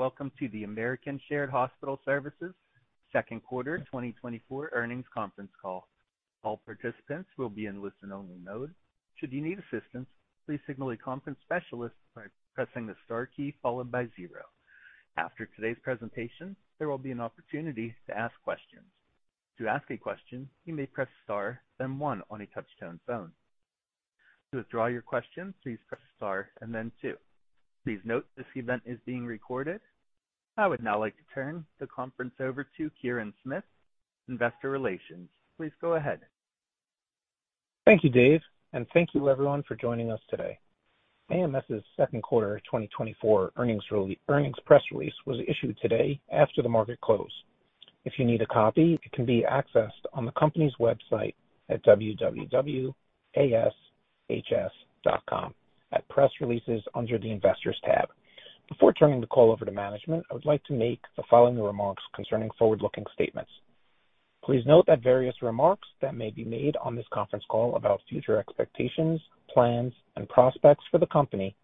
Hey, and welcome to the American Shared Hospital Services second quarter 2024 earnings conference call. All participants will be in listen-only mode. Should you need assistance, please signal a conference specialist by pressing the star key followed by zero. After today's presentation, there will be an opportunity to ask questions. To ask a question, you may press star, then one on a touchtone phone. To withdraw your question, please press star and then two. Please note, this event is being recorded. I would now like to turn the conference over to Kirin Smith, Investor Relations. Please go ahead. Thank you, Dave, and thank you everyone for joining us today. AMS's second quarter 2024 earnings press release was issued today after the market closed. If you need a copy, it can be accessed on the company's website at www.ashs.com, at Press Releases under the Investors tab. Before turning the call over to management, I would like to make the following remarks concerning forward-looking statements. Please note that various remarks that may be made on this conference call about future expectations, plans, and prospects for the company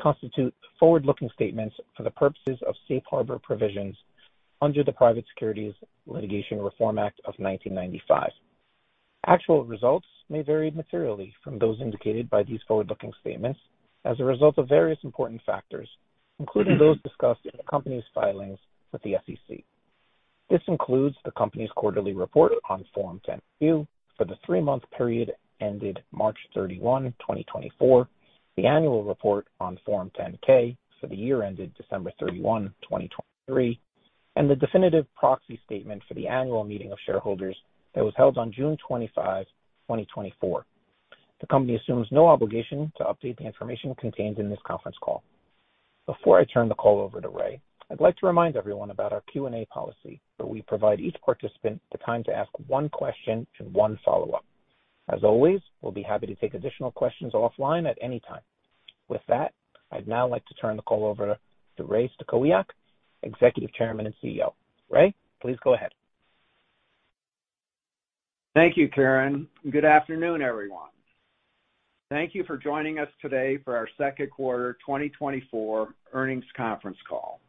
constitute forward-looking statements for the purposes of safe harbor provisions under the Private Securities Litigation Reform Act of 1995. Actual results may vary materially from those indicated by these forward-looking statements as a result of various important factors, including those discussed in the company's filings with the SEC. This includes the company's quarterly report on Form 10-Q for the three-month period ended March 31, 2024, the annual report on Form 10-K for the year ended December 31, 2023, and the definitive proxy statement for the annual meeting of shareholders that was held on June 25, 2024. The company assumes no obligation to update the information contained in this conference call. Before I turn the call over to Ray, I'd like to remind everyone about our Q&A policy, where we provide each participant the time to ask one question and one follow-up. As always, we'll be happy to take additional questions offline at any time. With that, I'd now like to turn the call over to Ray Stachowiak, Executive Chairman and CEO. Ray, please go ahead. Thank you, Kirin. Good afternoon, everyone. Thank you for joining us today for our second quarter 2024 earnings conference call.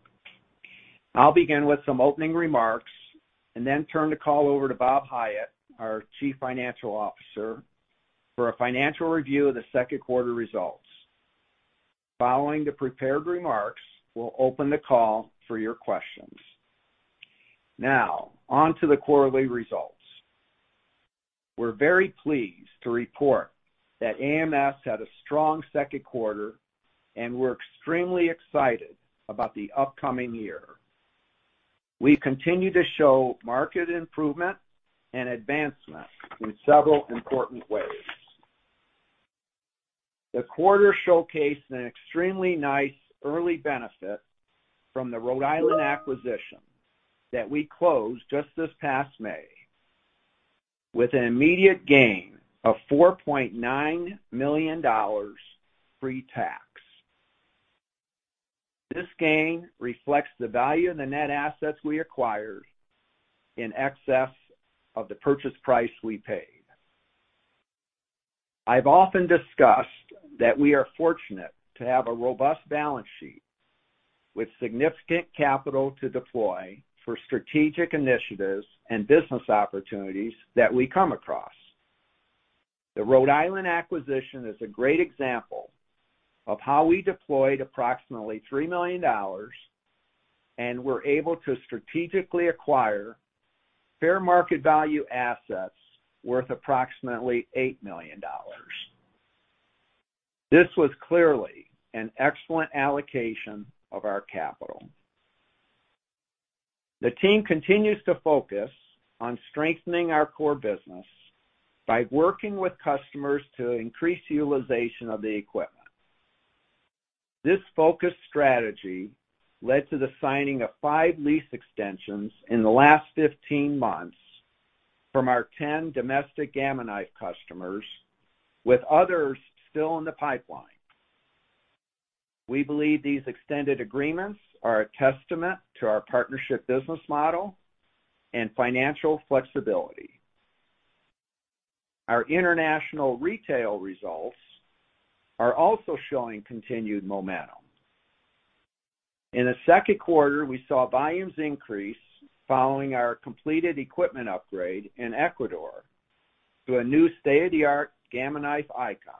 I'll begin with some opening remarks and then turn the call over to Bob Hiatt, our Chief Financial Officer, for a financial review of the second quarter results. Following the prepared remarks, we'll open the call for your questions. Now, on to the quarterly results. We're very pleased to report that AMS had a strong second quarter, and we're extremely excited about the upcoming year. We continue to show market improvement and advancement in several important ways. The quarter showcased an extremely nice early benefit from the Rhode Island acquisition that we closed just this past May, with an immediate gain of $4.9 million pre-tax. This gain reflects the value of the net assets we acquired in excess of the purchase price we paid. I've often discussed that we are fortunate to have a robust balance sheet with significant capital to deploy for strategic initiatives and business opportunities that we come across. The Rhode Island acquisition is a great example of how we deployed approximately $3 million and were able to strategically acquire fair market value assets worth approximately $8 million. This was clearly an excellent allocation of our capital. The team continues to focus on strengthening our core business by working with customers to increase utilization of the equipment. This focused strategy led to the signing of 5 lease extensions in the last 15 months from our 10 domestic Gamma Knife customers, with others still in the pipeline. We believe these extended agreements are a testament to our partnership business model and financial flexibility. Our international retail results are also showing continued momentum. In the second quarter, we saw volumes increase following our completed equipment upgrade in Ecuador to a new state-of-the-art Gamma Knife Icon,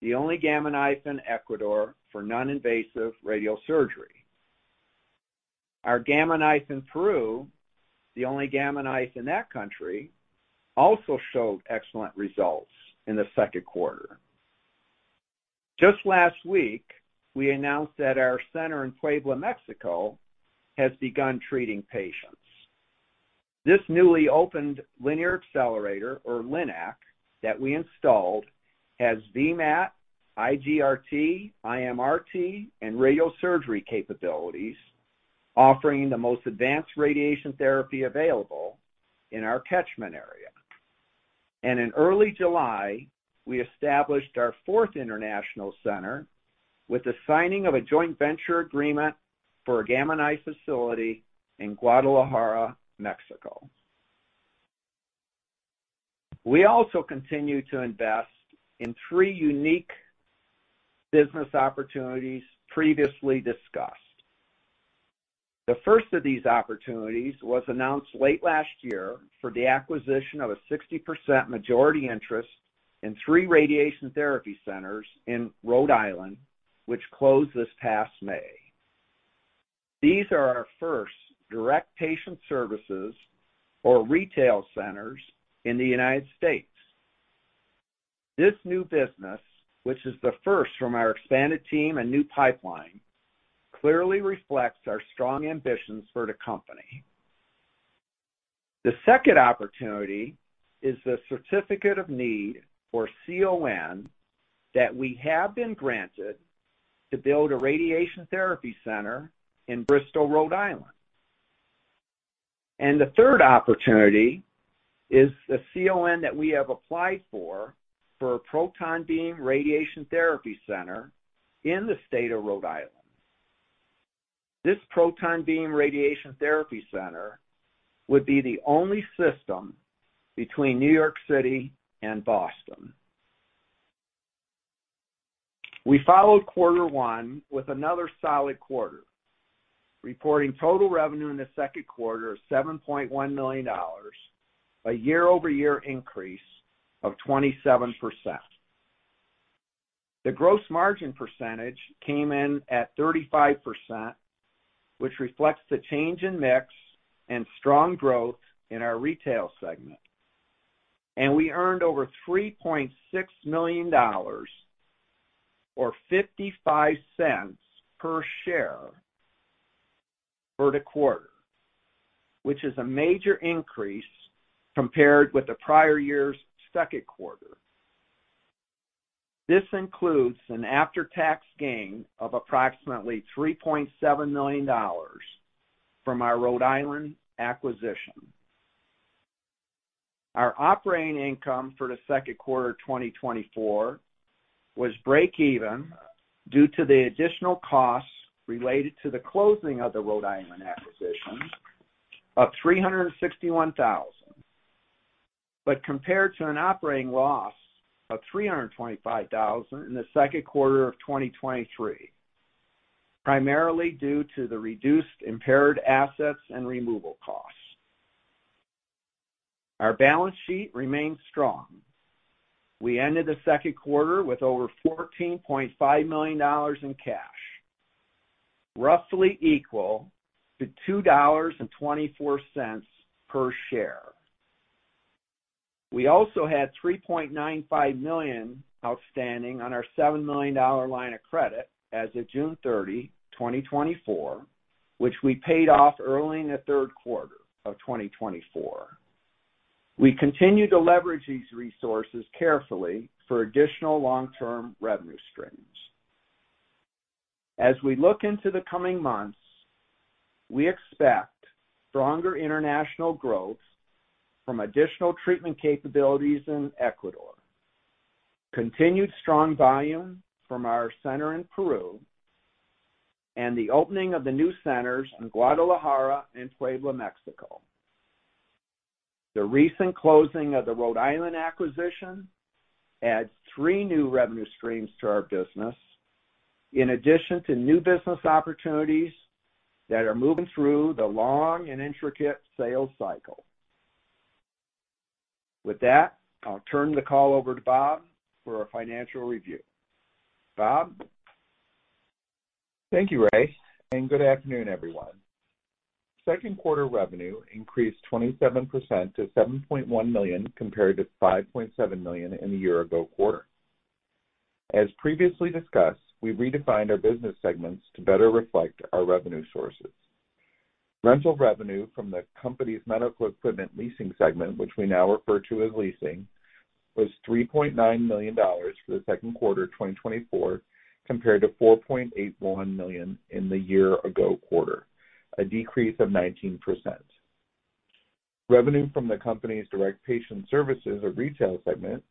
the only Gamma Knife in Ecuador for non-invasive radiosurgery. Our Gamma Knife in Peru, the only Gamma Knife in that country, also showed excellent results in the second quarter. Just last week, we announced that our center in Puebla, Mexico, has begun treating patients. This newly opened linear accelerator, or LINAC, that we installed, has VMAT, IGRT, IMRT, and radiosurgery capabilities, offering the most advanced radiation therapy available in our catchment area. In early July, we established our fourth international center with the signing of a joint venture agreement for a Gamma Knife facility in Guadalajara, Mexico. We also continue to invest in three unique business opportunities previously discussed. The first of these opportunities was announced late last year for the acquisition of a 60% majority interest in three radiation therapy centers in Rhode Island, which closed this past May. These are our first direct patient services or retail centers in the United States. This new business, which is the first from our expanded team and new pipeline, clearly reflects our strong ambitions for the company. The second opportunity is the Certificate of Need, or CON, that we have been granted to build a radiation therapy center in Bristol, Rhode Island. The third opportunity is the CON that we have applied for, for a proton beam radiation therapy center in the state of Rhode Island. This proton beam radiation therapy center would be the only system between New York City and Boston. We followed quarter one with another solid quarter, reporting total revenue in the second quarter of $7.1 million, a year-over-year increase of 27%. The gross margin percentage came in at 35%, which reflects the change in mix and strong growth in our retail segment. And we earned over $3.6 million or $0.55 per share for the quarter, which is a major increase compared with the prior year's second quarter. This includes an after-tax gain of approximately $3.7 million from our Rhode Island acquisition. Our operating income for the second quarter of 2024 was break even, due to the additional costs related to the closing of the Rhode Island acquisition of $361,000. But compared to an operating loss of $325,000 in the second quarter of 2023, primarily due to the reduced impaired assets and removal costs. Our balance sheet remains strong. We ended the second quarter with over $14.5 million in cash, roughly equal to $2.24 per share. We also had $3.95 million outstanding on our $7 million line of credit as of June 30, 2024, which we paid off early in the third quarter of 2024. We continue to leverage these resources carefully for additional long-term revenue streams. As we look into the coming months, we expect stronger international growth from additional treatment capabilities in Ecuador, continued strong volume from our center in Peru, and the opening of the new centers in Guadalajara and Puebla, Mexico. The recent closing of the Rhode Island acquisition adds three new revenue streams to our business, in addition to new business opportunities that are moving through the long and intricate sales cycle. With that, I'll turn the call over to Bob for a financial review. Bob? Thank you, Ray, and good afternoon, everyone. Second quarter revenue increased 27% to $7.1 million, compared to $5.7 million in the year-ago quarter. As previously discussed, we've redefined our business segments to better reflect our revenue sources. Rental revenue from the company's medical equipment leasing segment, which we now refer to as leasing, was $3.9 million for the second quarter of 2024, compared to $4.81 million in the year-ago quarter, a decrease of 19%. Revenue from the company's direct patient services or retail segment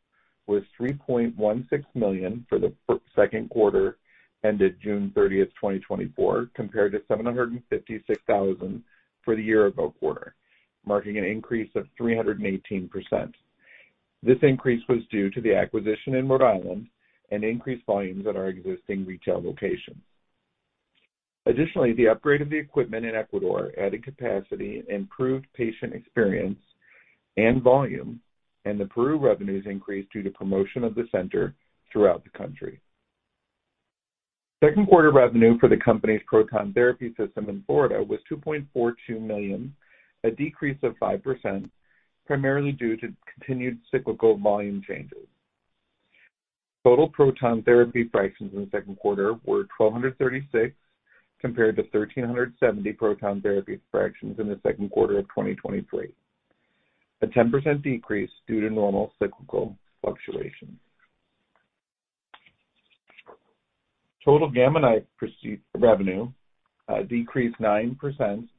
was $3.16 million for the second quarter ended June 30, 2024, compared to $756,000 for the year-ago quarter, marking an increase of 318%. This increase was due to the acquisition in Rhode Island and increased volumes at our existing retail locations. Additionally, the upgrade of the equipment in Ecuador added capacity, improved patient experience and volume, and the Peru revenues increased due to promotion of the center throughout the country. Second quarter revenue for the company's proton therapy system in Florida was $2.42 million, a decrease of 5%, primarily due to continued cyclical volume changes. Total proton therapy fractions in the second quarter were 1,236, compared to 1,370 proton therapy fractions in the second quarter of 2023, a 10% decrease due to normal cyclical fluctuation. Total Gamma Knife procedures revenue decreased 9%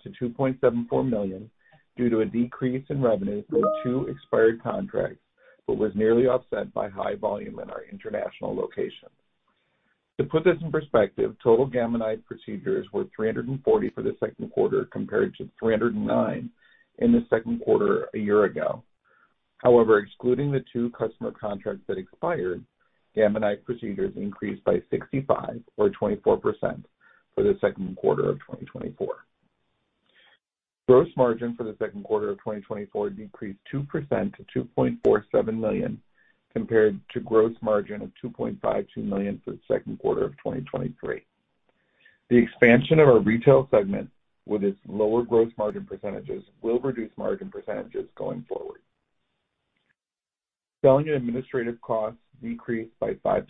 to $2.74 million due to a decrease in revenue from the two expired contracts, but was nearly offset by high volume in our international locations. To put this in perspective, total Gamma Knife procedures were 340 for the second quarter, compared to 309 in the second quarter a year ago. However, excluding the two customer contracts that expired, Gamma Knife procedures increased by 65, or 24%, for the second quarter of 2024. Gross margin for the second quarter of 2024 decreased 2% to $2.47 million, compared to gross margin of $2.52 million for the second quarter of 2023. The expansion of our retail segment, with its lower gross margin percentages, will reduce margin percentages going forward. Selling and administrative costs decreased by 5%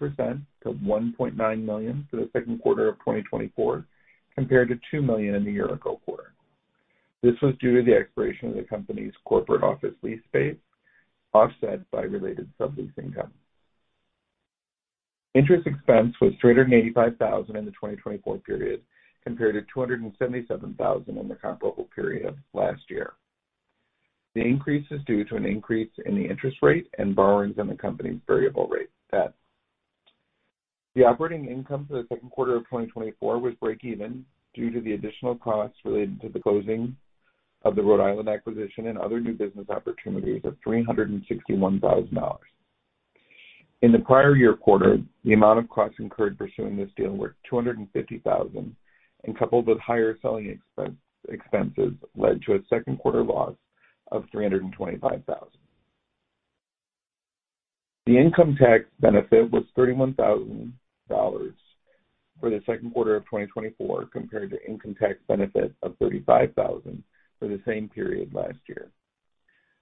to $1.9 million for the second quarter of 2024, compared to $2 million in the year-ago quarter. This was due to the expiration of the company's corporate office lease space, offset by related sublease income. Interest expense was $385,000 in the 2024 period, compared to $277,000 in the comparable period last year. The increase is due to an increase in the interest rate and borrowings on the company's variable rate debt. The operating income for the second quarter of 2024 was break even, due to the additional costs related to the closing of the Rhode Island acquisition and other new business opportunities of $361,000. In the prior year quarter, the amount of costs incurred pursuing this deal were $250,000, and coupled with higher selling expenses, led to a second quarter loss of $325,000. The income tax benefit was $31,000 for the second quarter of 2024, compared to income tax benefit of $35,000 for the same period last year.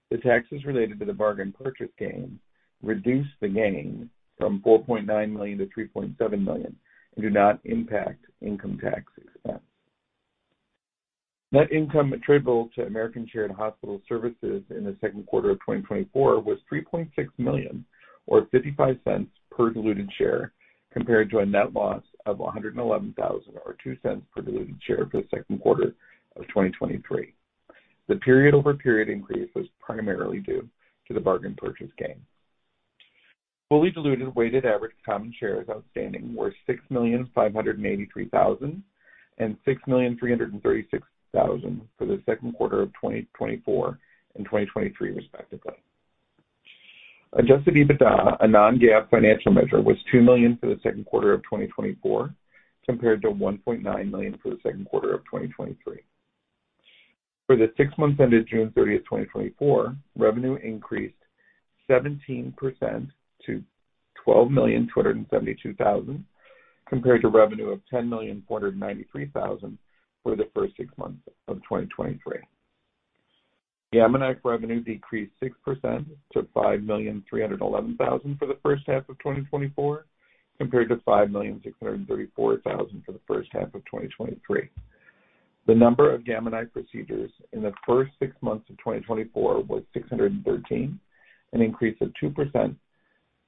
The taxes related to the bargain purchase gain reduced the gain from $4.9 million to $3.7 million and do not impact income tax expense. Net income attributable to American Shared Hospital Services in the second quarter of 2024 was $3.6 million, or $0.55 per diluted share, compared to a net loss of $111,000, or $0.02 per diluted share, for the second quarter of 2023. The period-over-period increase was primarily due to the bargain purchase gain. Fully diluted weighted average common shares outstanding were 6,583,000 and 6,336,000 for the second quarter of 2024 and 2023, respectively. Adjusted EBITDA, a non-GAAP financial measure, was $2 million for the second quarter of 2024, compared to $1.9 million for the second quarter of 2023. For the six months ended June thirtieth, 2024, revenue increased 17% to $12,272,000, compared to revenue of $10,493,000 for the first six months of 2023. Gamma Knife revenue decreased 6% to $5,311,000 for the first half of 2024, compared to $5,634,000 for the first half of 2023. The number of Gamma Knife procedures in the first six months of 2024 was 613, an increase of 2%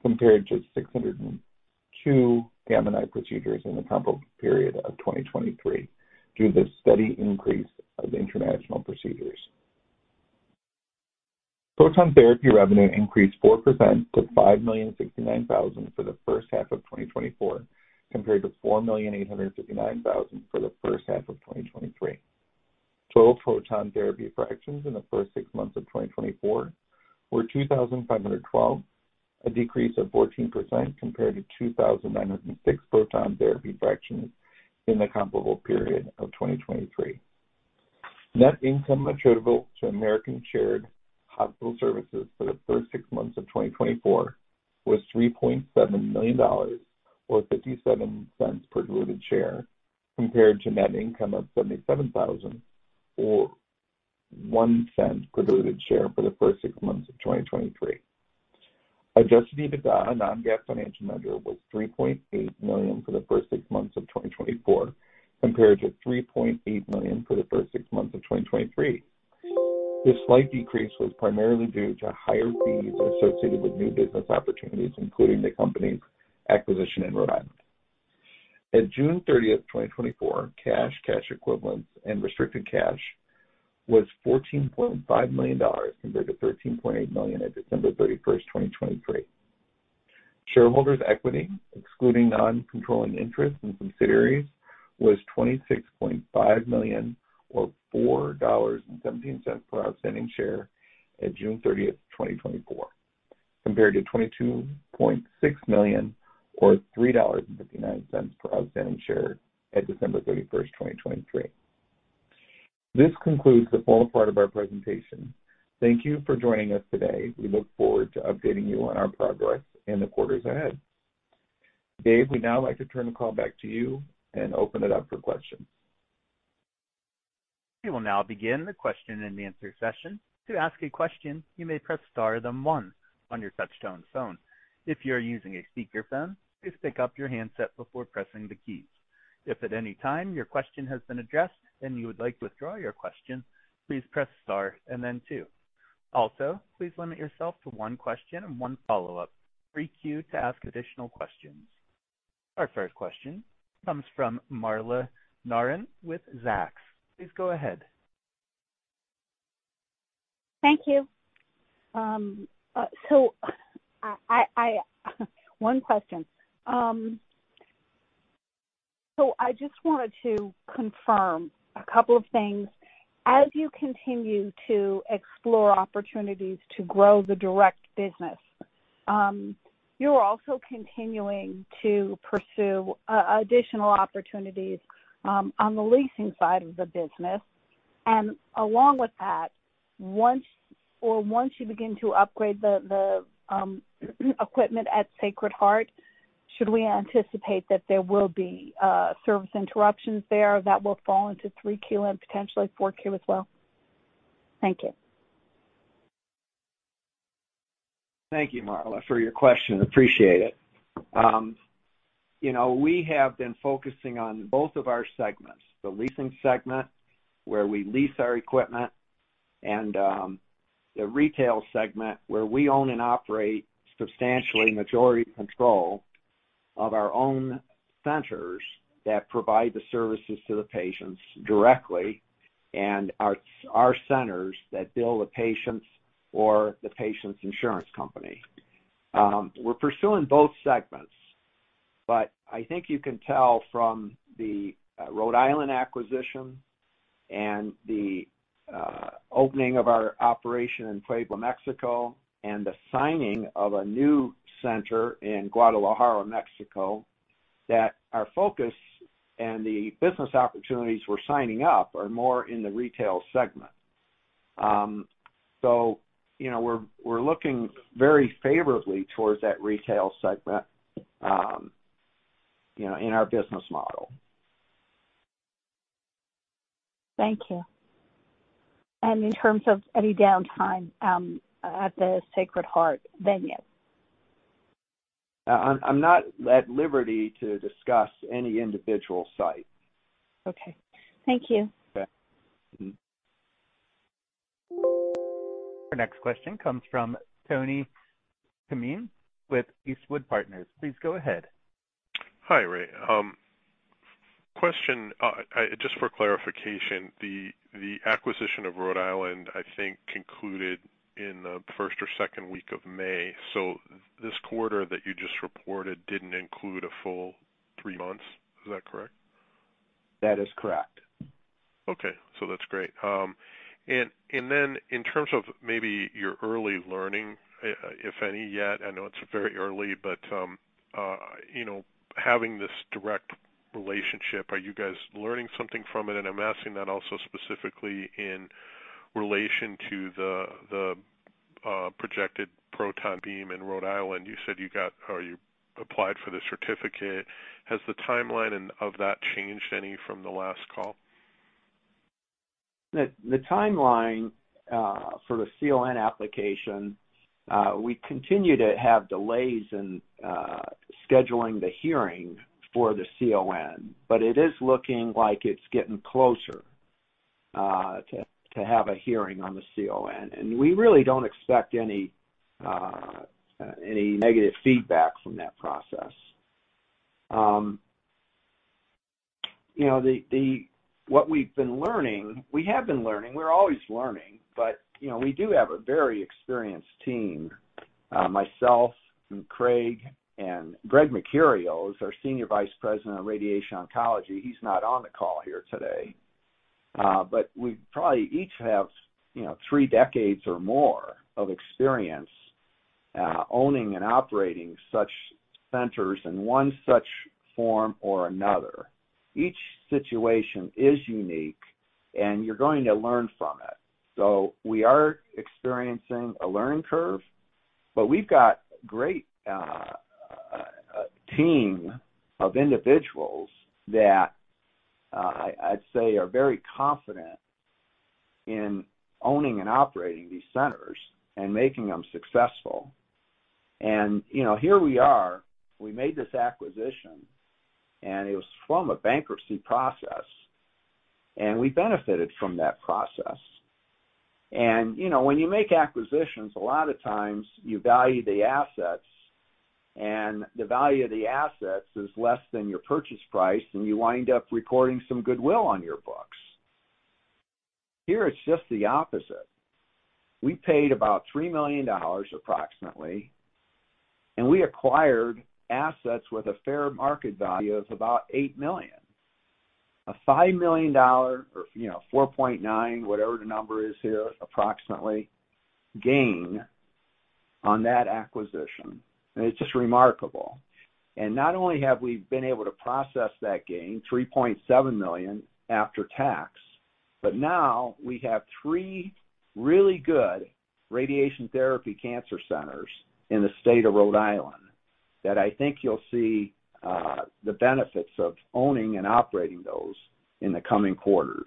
compared to 602 Gamma Knife procedures in the comparable period of 2023, due to the steady increase of international procedures. Proton therapy revenue increased 4% to $5,069,000 for the first half of 2024, compared to $4,859,000 for the first half of 2023. Total proton therapy fractions in the first six months of 2024 were 2,512, a decrease of 14% compared to 2,906 proton therapy fractions in the comparable period of 2023. Net income attributable to American Shared Hospital Services for the first six months of 2024 was $3.7 million, or $0.57 per diluted share, compared to net income of $77,000, or $0.01 per diluted share for the first six months of 2023. Adjusted EBITDA, a non-GAAP financial measure, was $3.8 million for the first six months of 2024, compared to $3.8 million for the first six months of 2023. This slight decrease was primarily due to higher fees associated with new business opportunities, including the company's acquisition in Rhode Island. At June 30, 2024, cash, cash equivalents, and restricted cash was $14.5 million, compared to $13.8 million at December 31, 2023. Shareholders' equity, excluding non-controlling interest in subsidiaries, was $26.5 million, or $4.17 per outstanding share at June 30, 2024, compared to $22.6 million, or $3.59 per outstanding share at December 31, 2023. This concludes the formal part of our presentation. Thank you for joining us today. We look forward to updating you on our progress in the quarters ahead. Dave, we'd now like to turn the call back to you and open it up for questions. We will now begin the question-and-answer session. To ask a question, you may press star, then one on your touchtone phone. If you are using a speakerphone, please pick up your handset before pressing the keys. If at any time your question has been addressed and you would like to withdraw your question, please press star and then two. Also, please limit yourself to one question and one follow-up. Requeue to ask additional questions. Our first question comes from Marla Marin with Zacks. Please go ahead. Thank you. One question. So I just wanted to confirm a couple of things. As you continue to explore opportunities to grow the direct business, you're also continuing to pursue additional opportunities on the leasing side of the business. And along with that, once you begin to upgrade the equipment at Sacred Heart, should we anticipate that there will be service interruptions there that will fall into 3Q and potentially 4Q as well? Thank you. Thank you, Marla, for your question. Appreciate it. You know, we have been focusing on both of our segments, the leasing segment, where we lease our equipment, and the retail segment, where we own and operate substantially majority control of our own centers that provide the services to the patients directly and our centers that bill the patients or the patient's insurance company. We're pursuing both segments, but I think you can tell from the Rhode Island acquisition and the opening of our operation in Puebla, Mexico, and the signing of a new center in Guadalajara, Mexico, that our focus and the business opportunities we're signing up are more in the retail segment. So, you know, we're looking very favorably towards that retail segment, you know, in our business model. Thank you. In terms of any downtime, at the Sacred Heart venue? I'm not at liberty to discuss any individual site. Okay. Thank you. Okay. Mm-hmm. Our next question comes from Tony Kamin with Eastwood Partners. Please go ahead. Hi, Ray. Question, just for clarification, the acquisition of Rhode Island, I think, concluded in the first or second week of May. So this quarter that you just reported didn't include a full three months, is that correct? That is correct. Okay, so that's great. And then in terms of maybe your early learning, if any, yet, I know it's very early, but you know, having this direct relationship, are you guys learning something from it? And I'm asking that also specifically in relation to the projected proton beam in Rhode Island. You said you got or you applied for the certificate. Has the timeline and of that changed any from the last call? The timeline for the CON application, we continue to have delays in scheduling the hearing for the CON, but it is looking like it's getting closer to have a hearing on the CON. We really don't expect any any negative feedback from that process. You know, what we've been learning, we have been learning, we're always learning, but you know, we do have a very experienced team, myself and Craig and Greg Mercurio, our Senior Vice President of Radiation Oncology, he's not on the call here today. But we probably each have you know, three decades or more of experience owning and operating such centers in one such form or another. Each situation is unique, and you're going to learn from it. So we are experiencing a learning curve, but we've got great a team of individuals that I, I'd say, are very confident in owning and operating these centers and making them successful. And, you know, here we are, we made this acquisition, and it was from a bankruptcy process, and we benefited from that process. And, you know, when you make acquisitions, a lot of times you value the assets, and the value of the assets is less than your purchase price, and you wind up recording some goodwill on your books. Here, it's just the opposite. We paid about $3 million, approximately, and we acquired assets with a fair market value of about $8 million. A $5 million or, you know, 4.9, whatever the number is here, approximately, gain on that acquisition, and it's just remarkable. And not only have we been able to process that gain, $3.7 million after tax, but now we have three really good radiation therapy cancer centers in the state of Rhode Island, that I think you'll see, the benefits of owning and operating those in the coming quarters.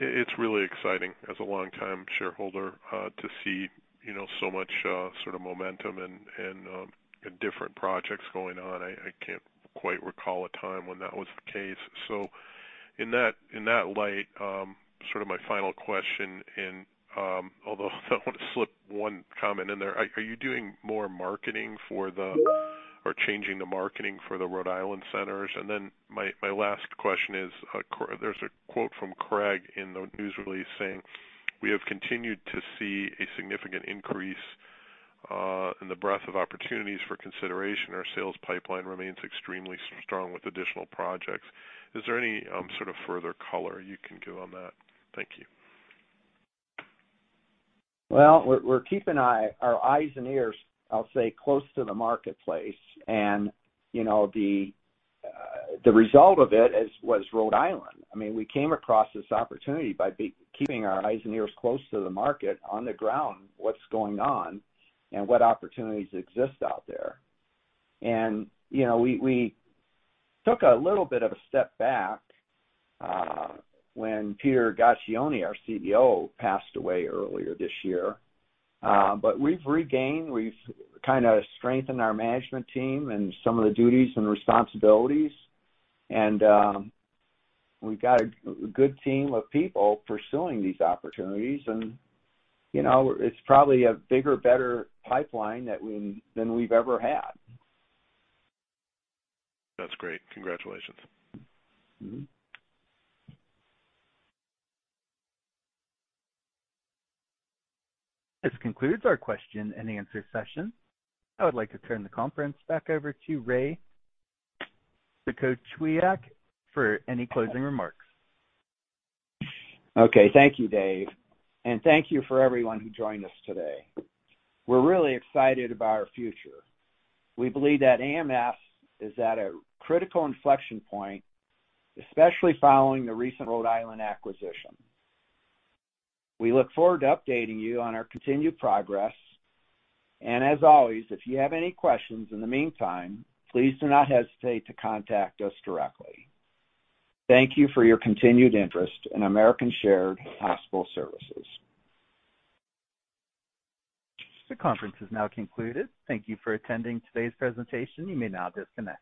It's really exciting, as a longtime shareholder, to see, you know, so much sort of momentum and different projects going on. I can't quite recall a time when that was the case. So in that light, sort of my final question, although I want to slip one comment in there. Are you doing more marketing for the Rhode Island centers or are changing the marketing for the Rhode Island centers? And then my last question is, there's a quote from Craig in the news release saying, "We have continued to see a significant increase in the breadth of opportunities for consideration. Our sales pipeline remains extremely strong with additional projects." Is there any sort of further color you can give on that? Thank you. Well, we're keeping our eyes and ears, I'll say, close to the marketplace. And, you know, the result of it was Rhode Island. I mean, we came across this opportunity by keeping our eyes and ears close to the market on the ground, what's going on, and what opportunities exist out there. And, you know, we took a little bit of a step back when Peter Gaccione, our CEO, passed away earlier this year. But we've regained, we've kind of strengthened our management team and some of the duties and responsibilities, and we've got a good team of people pursuing these opportunities, and, you know, it's probably a bigger, better pipeline than we've ever had. That's great. Congratulations. Mm-hmm. This concludes our question and answer session. I would like to turn the conference back over to Ray Stachowiak for any closing remarks. Okay. Thank you, Dave, and thank you for everyone who joined us today. We're really excited about our future. We believe that AMS is at a critical inflection point, especially following the recent Rhode Island acquisition. We look forward to updating you on our continued progress, and as always, if you have any questions in the meantime, please do not hesitate to contact us directly. Thank you for your continued interest in American Shared Hospital Services. The conference is now concluded. Thank you for attending today's presentation. You may now disconnect.